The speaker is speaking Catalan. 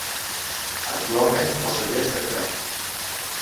Actualment, el celler és tancat.